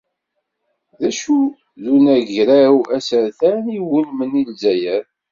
D acu n unagraw asertan i iwulmen i Lezzayer?